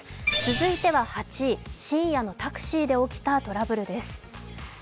続いては８位、深夜のタクシーで起きたトラブルです。